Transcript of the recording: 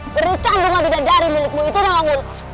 berikan bunga bidadari milikmu itu nalang mula